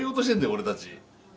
俺たち。